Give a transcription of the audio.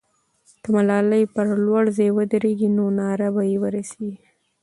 که ملالۍ پر لوړ ځای ودرېږي، نو ناره به یې ورسېږي.